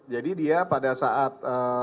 jadi dia pada saat